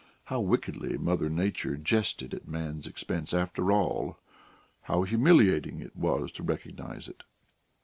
How wickedly Mother Nature jested at man's expense, after all! How humiliating it was to recognise it!